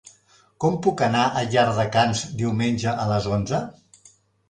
Com puc anar a Llardecans diumenge a les onze?